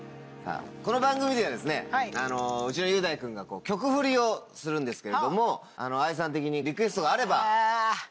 この番組ではうちの雄大君が曲フリをするんですけれどもＡＩさん的にリクエストがあれば。